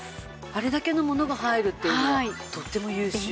あれだけのものが入るっていうのはとっても優秀。